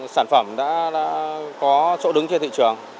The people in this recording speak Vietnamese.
sản phẩm đã có chỗ đứng trên thị trường